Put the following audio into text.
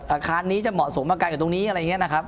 อาคารนี้จะเหมาะสมกับการกับตรงนี้อะไรอย่างนี้นะครับ